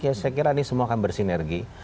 saya kira ini semua akan bersinergi